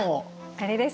あれですね。